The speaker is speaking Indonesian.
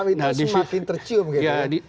itu semakin tercium gitu